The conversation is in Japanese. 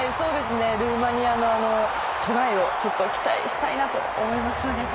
ルーマニアのトライをちょっと期待したいなと思います。